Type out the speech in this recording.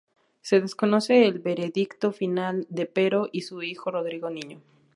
Se desconoce el veredicto final de Pero y su hijo Rodrigo Niño.